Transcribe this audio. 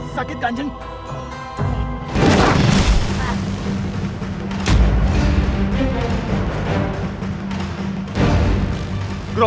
sakit kan jeng